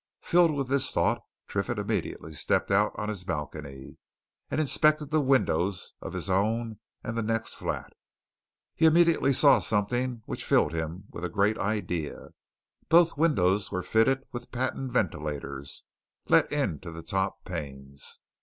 Filled with this thought Triffitt immediately stepped out on his balcony and inspected the windows of his own and the next flat. He immediately saw something which filled him with a great idea. Both windows were fitted with patent ventilators, let into the top panes.